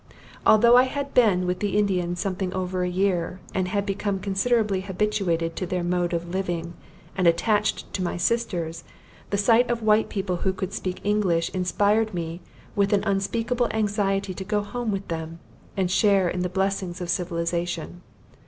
Although I had then been with the Indians something over a year, and had become considerably habituated to their mode of living, and attached to my sisters, the sight of white people who could speak English inspired me with an unspeakable anxiety to go home with them, and share in the blessings of civilization.